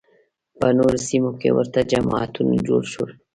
په نورو سیمو کې ورته جماعتونه جوړ شول